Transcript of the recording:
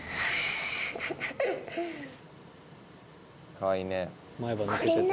かわいい。